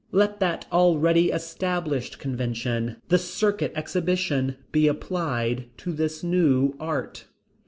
Let that already established convention the "circuit exhibition" be applied to this new art.